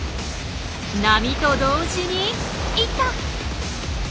波と同時に行った！